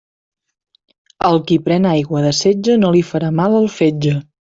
Al qui pren aigua de setge no li farà mal el fetge.